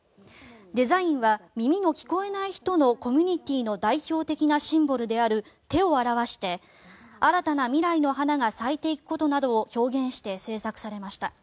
デザインは耳の聞こえない人のコミュニティーの代表的なシンボルである手を表して新たな未来の花が咲いていくことなどを表現して制作されました。